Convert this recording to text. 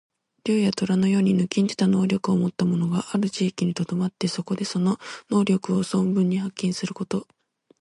竜や、とらのように抜きんでた能力をもった者がある地域にとどまって、そこでその能力を存分に発揮すること。